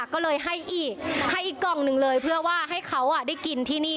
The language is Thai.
ก็เลยให้อีกให้อีกกล่องหนึ่งเลยเพื่อว่าให้เขาได้กินที่นี่